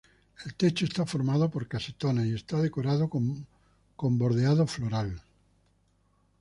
El techo está formado por casetones y está decorado con bordeado floral.